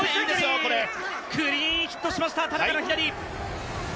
クリーンヒットしました田中の左。